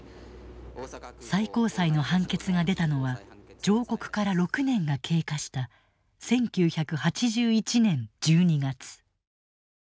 最高裁の判決が出たのは上告から６年が経過した１９８１年１２月。